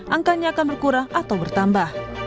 angkanya akan berkurang atau bertambah